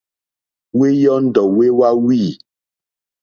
Wéyɔ́ndɔ̀ wé wáwî.